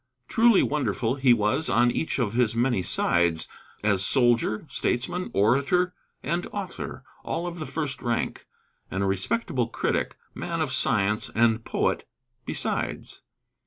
Truly wonderful he was on each of his many sides: as soldier, statesman, orator, and author, all of the first rank and a respectable critic, man of science and poet besides.